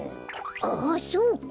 ああそうか！